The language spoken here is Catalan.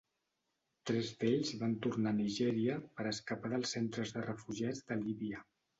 Tres d'ells van tornar a Nigèria per escapar dels centres de refugiats de Líbia.